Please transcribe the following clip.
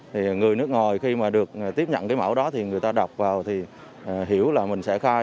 thì người nước ngoài khi mà được tiếp nhận cái mẫu đó thì người ta đọc vào thì hiểu là mình sẽ khai